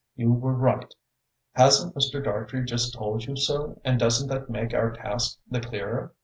You were right. Hasn't Mr. Dartrey just told you so and doesn't that make our task the clearer?